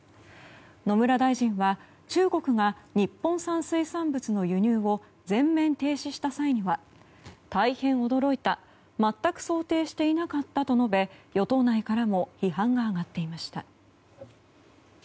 野村大臣は中国が日本産水産物の輸入を全面停止した際には、大変驚いた全く想定していなかったと述べ与党内からも批判が上がっていました。